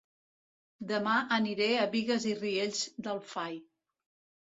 Dema aniré a Bigues i Riells del Fai